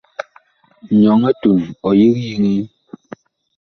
Nyɔŋ etuŋ ya, ɔ yig yeŋee.